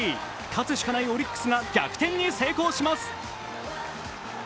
勝つしかないオリックスが逆転に成功します。